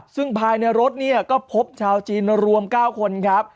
ซึ่งภายในรถเนี่ยก็พบชาวจีนรวม๙คนครับ